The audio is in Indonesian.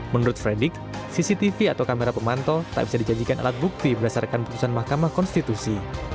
menurut fredrik cctv atau kamera pemantau tak bisa dijadikan alat bukti berdasarkan putusan mahkamah konstitusi